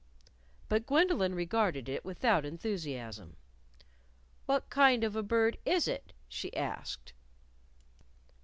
But Gwendolyn regarded it without enthusiasm. "What kind of a bird is it?" she asked.